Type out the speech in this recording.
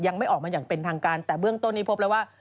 ยังไม่ออกมาอย่างเป็นทางการแต่เบื้องต้นนี้พบแล้วว่า